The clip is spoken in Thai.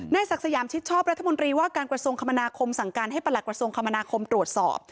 ศักดิ์สยามชิดชอบรัฐมนตรีว่าการกระทรวงคมนาคมสั่งการให้ประหลักกระทรวงคมนาคมตรวจสอบ